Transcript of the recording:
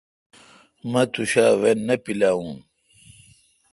مہ توشا وہ نہ پلاون۔